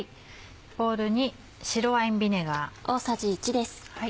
ボウルに白ワインビネガー。